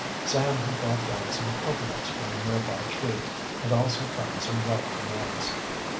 Sam had brought down some cocoanuts from a nearby tree, and also found some ripe bananas.